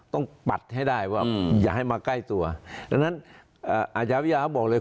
ต้องปัดให้ได้ว่าอย่าให้มาใกล้ตัวดังนั้นอาจารยาบอกเลย